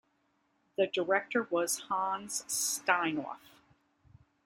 The director was Hans Steinhoff.